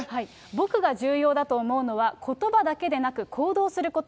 僕が重要だと思うのは、ことばだけでなく行動すること。